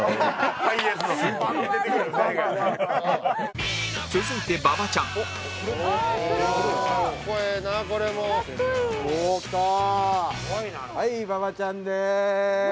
はい馬場ちゃんでーす！